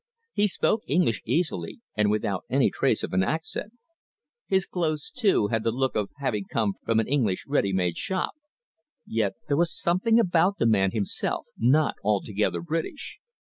He spoke English easily, and without any trace of an accent. His clothes, too, had the look of having come from an English ready made shop. Yet there was something about the man himself not altogether British.